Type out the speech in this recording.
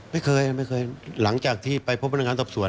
ไม่เคยไม่เคยหลังจากที่ไปพบพนักงานสอบสวน